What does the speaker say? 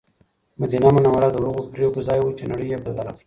مدینه منوره د هغو پرېکړو ځای و چې نړۍ یې بدله کړه.